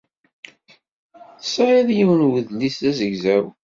Tesɛiḍ yiwen n wedlis d azegzaw.